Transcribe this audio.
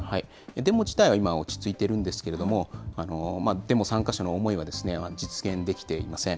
デモ自体は今、落ち着いているんですけれども、デモ参加者の思いは実現できていません。